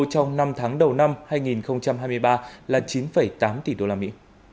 trong năm tháng đầu năm hai nghìn hai mươi ba là chín tám tỷ đô la mỹ